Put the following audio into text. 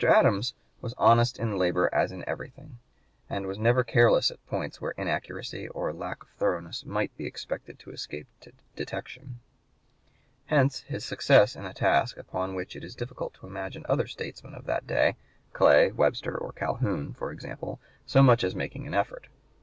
Adams was honest in labor as in everything, and was never careless at points where inaccuracy or lack of thoroughness might be expected to escape detection. (p. 127) Hence his success in a task upon which it is difficult to imagine other statesmen of that day Clay, Webster, or Calhoun, for example so much as making an effort.